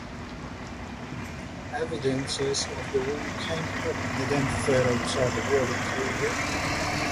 Evidences of the Roman camp have been identified outside the walled enclosure.